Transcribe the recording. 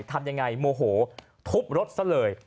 ทำยังไงโมโหทุบรถซะเลย